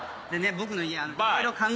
僕の家いろいろ。